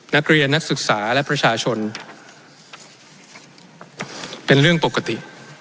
นักศึกษาและประชาชนเป็นเรื่องปกติ